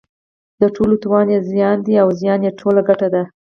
د ټولو تاوان یې زیان دی او زیان یې ټول ګټه ده.